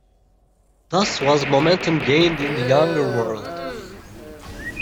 Thus was momentum gained in the Younger World.